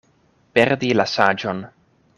Perdi la saĝon.